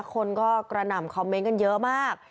คนก็กระหน่ำคอมเมนต์กันเยอะมาก